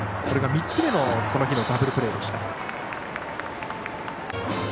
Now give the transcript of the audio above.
これが３つ目のこの日のダブルプレーでした。